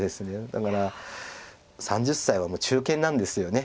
だから３０歳はもう中堅なんですよね。